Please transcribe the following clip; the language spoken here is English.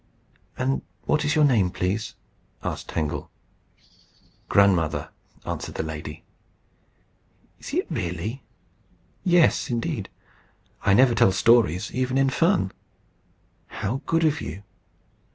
"And what is your name, please?" asked Tangle. "Grandmother," answered the lady. "Is it really?" "Yes, indeed. I never tell stories, even in fun." "How good of you!"